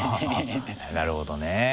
なるほどね。